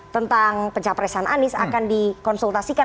tentang pencaparesan anis akan dikonsultasikan